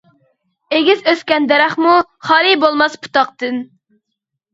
ئېگىز ئۆسكەن دەرەخمۇ، خالىي بولماس پۇتاقتىن.